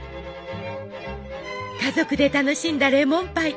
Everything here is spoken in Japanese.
家族で楽しんだレモンパイ。